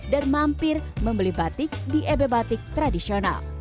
dan mampir membeli batik di ebe batik tradisional